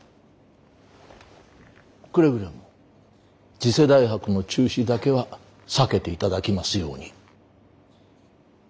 くれぐれも次世代博の中止だけは避けていただきますように。